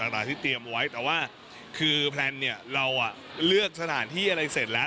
ต่างที่เตรียมไว้แต่ว่าคือแพลนเนี่ยเราเลือกสถานที่อะไรเสร็จแล้ว